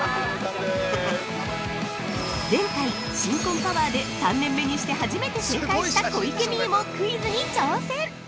◆前回、新婚パワーで３年目にして初めて正解した小池美由もクイズに挑戦！